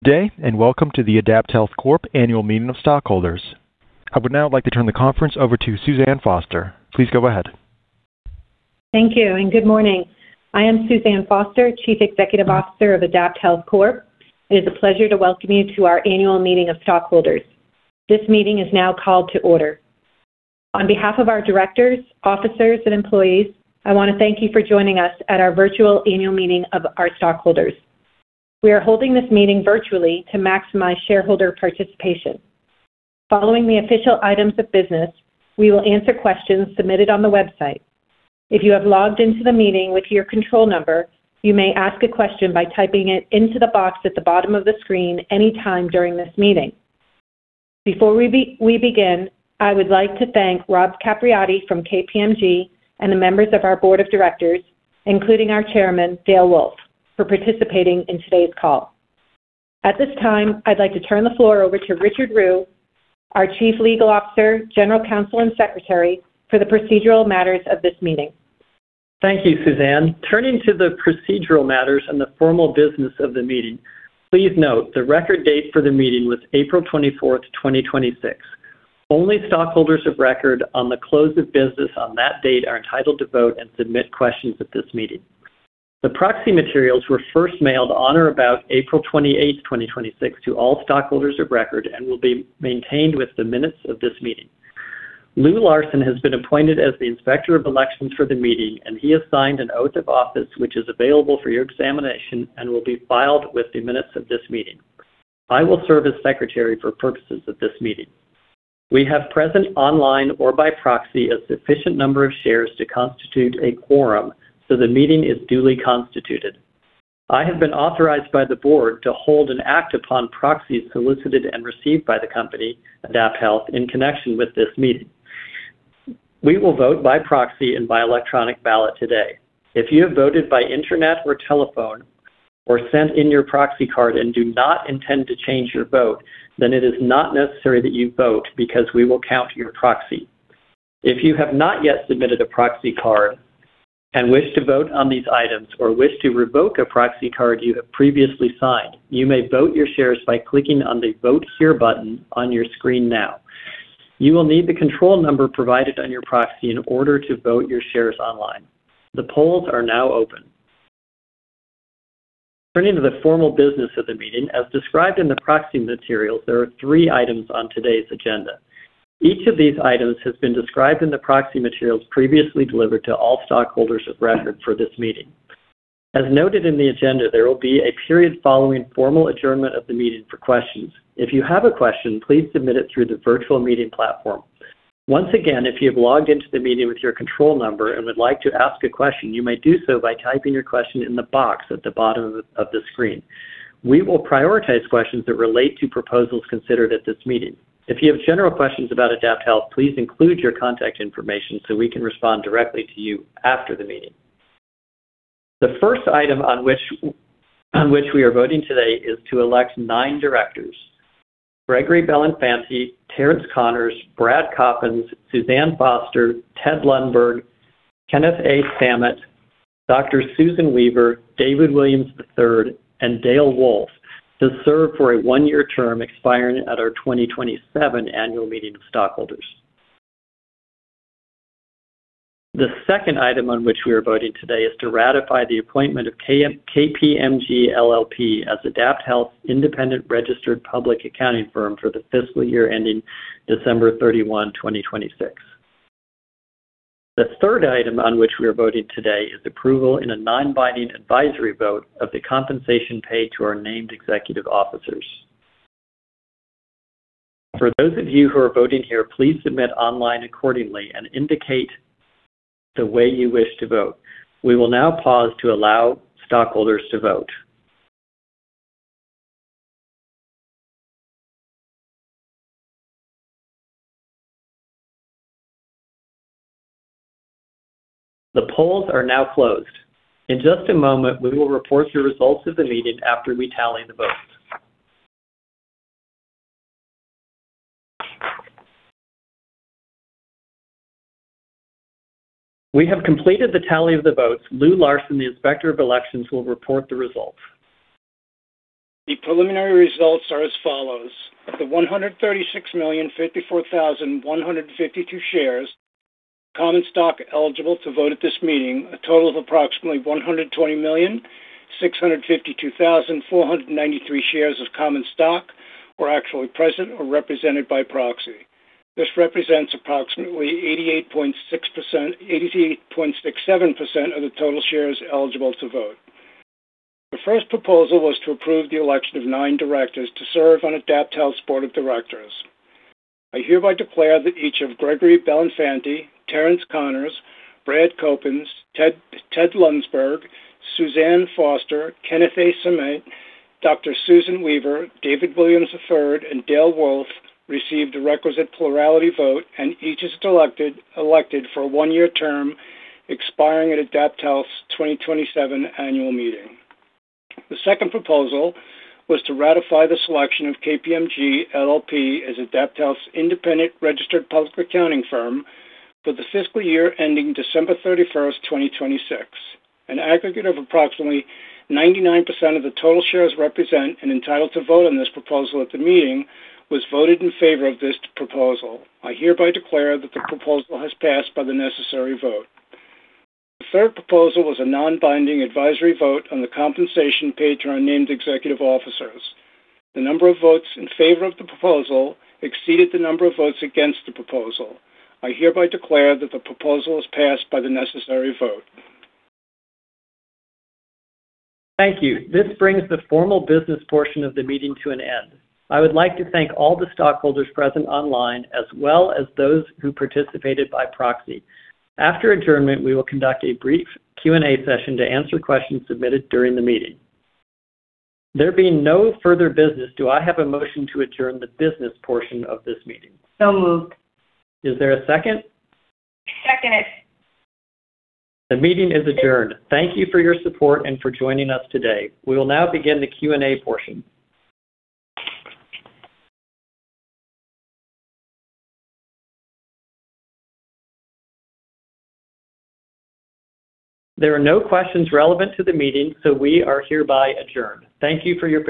Day, welcome to the AdaptHealth Corp Annual Meeting of Stockholders. I would now like to turn the conference over to Suzanne Foster. Please go ahead. Thank you, good morning. I am Suzanne Foster, Chief Executive Officer of AdaptHealth Corp. It is a pleasure to welcome you to our Annual Meeting of Stockholders. This meeting is now called to order. On behalf of our directors, officers, and employees, I want to thank you for joining us at our virtual annual meeting of our stockholders. We are holding this meeting virtually to maximize shareholder participation. Following the official items of business, we will answer questions submitted on the website. If you have logged into the meeting with your control number, you may ask a question by typing it into the box at the bottom of the screen any time during this meeting. Before we begin, I would like to thank Rob Capriotti from KPMG and the members of our board of directors, including our chairman, Dale Wolf, for participating in today's call. At this time, I'd like to turn the floor over to Richard Rew, our Chief Legal Officer, General Counsel and Secretary, for the procedural matters of this meeting. Thank you, Suzanne. Turning to the procedural matters and the formal business of the meeting, please note the record date for the meeting was April 24th, 2026. Only stockholders of record on the close of business on that date are entitled to vote and submit questions at this meeting. The proxy materials were first mailed on or about April 28th, 2026 to all stockholders of record and will be maintained with the minutes of this meeting. Lou Larson has been appointed as the Inspector of Elections for the meeting, and he has signed an oath of office, which is available for your examination and will be filed with the minutes of this meeting. I will serve as Secretary for purposes of this meeting. We have present online or by proxy a sufficient number of shares to constitute a quorum, so the meeting is duly constituted. I have been authorized by the board to hold and act upon proxies solicited and received by the company, AdaptHealth, in connection with this meeting. We will vote by proxy and by electronic ballot today. If you have voted by internet or telephone or sent in your proxy card and do not intend to change your vote, then it is not necessary that you vote because we will count your proxy. If you have not yet submitted a proxy card and wish to vote on these items or wish to revoke a proxy card you have previously signed, you may vote your shares by clicking on the Vote Here button on your screen now. You will need the control number provided on your proxy in order to vote your shares online. The polls are now open. Turning to the formal business of the meeting, as described in the proxy materials, there are three items on today's agenda. Each of these items has been described in the proxy materials previously delivered to all stockholders of record for this meeting. As noted in the agenda, there will be a period following formal adjournment of the meeting for questions. If you have a question, please submit it through the virtual meeting platform. Once again, if you have logged into the meeting with your control number and would like to ask a question, you may do so by typing your question in the box at the bottom of the screen. We will prioritize questions that relate to proposals considered at this meeting. If you have general questions about AdaptHealth, please include your contact information so we can respond directly to you after the meeting. The first item on which we are voting today is to elect nine directors: Gregory Belinfanti, Terence Connors, Brad Coppens, Suzanne Foster, Ted Lundberg, Kenneth A. Samet, Dr. Susan Weaver, David Williams III, and Dale Wolf to serve for a one-year term expiring at our 2027 annual meeting of stockholders. The second item on which we are voting today is to ratify the appointment of KPMG LLP as AdaptHealth's independent registered public accounting firm for the fiscal year ending December 31, 2026. The third item on which we are voting today is approval in a non-binding advisory vote of the compensation paid to our named executive officers. For those of you who are voting here, please submit online accordingly and indicate the way you wish to vote. We will now pause to allow stockholders to vote. The polls are now closed. In just a moment, we will report the results of the meeting after we tally the votes. We have completed the tally of the votes. Lou Larson, the Inspector of Elections, will report the results. The preliminary results are as follows. Of the 136,054,152 shares of common stock eligible to vote at this meeting, a total of approximately 120,652,493 shares of common stock were actually present or represented by proxy. This represents approximately 88.67% of the total shares eligible to vote. The first proposal was to approve the election of nine directors to serve on AdaptHealth's board of directors. I hereby declare that each of Gregory Belinfanti, Terence Connors, Brad Coppens, Ted Lundberg, Suzanne Foster, Kenneth A. Samet, Dr. Susan Weaver, David Williams III, and Dale Wolf received the requisite plurality vote, and each is elected for a one-year term expiring at AdaptHealth's 2027 annual meeting. The second proposal was to ratify the selection of KPMG LLP as AdaptHealth's independent registered public accounting firm for the fiscal year ending December 31st, 2026. An aggregate of approximately 99% of the total shares represent and entitled to vote on this proposal at the meeting was voted in favor of this proposal. I hereby declare that the proposal has passed by the necessary vote. The third proposal was a non-binding advisory vote on the compensation paid to our named executive officers. The number of votes in favor of the proposal exceeded the number of votes against the proposal. I hereby declare that the proposal is passed by the necessary vote. Thank you. This brings the formal business portion of the meeting to an end. I would like to thank all the stockholders present online, as well as those who participated by proxy. After adjournment, we will conduct a brief Q&A session to answer questions submitted during the meeting. There being no further business, do I have a motion to adjourn the business portion of this meeting? Moved. Is there a second? Second it. The meeting is adjourned. Thank you for your support and for joining us today. We will now begin the Q&A portion. There are no questions relevant to the meeting, so we are hereby adjourned. Thank you for your participation.